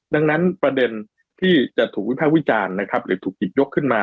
ดังนั้นประเด็นที่จะถูกวิภาควิจารณ์นะครับหรือถูกหยิบยกขึ้นมา